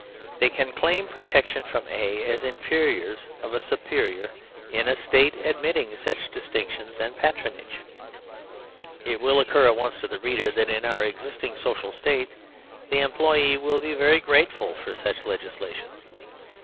They can claim protection from A, as inferiors of a superior in a State admitting such distinctions and patronage^ It will occur at once to the reader that in our ex isting social state the employee will be very grateful for such legislation.